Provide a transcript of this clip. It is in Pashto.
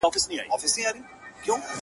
ډېر مرغان سوه د جرګې مخي ته وړاندي!.